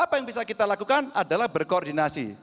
apa yang bisa kita lakukan adalah berkoordinasi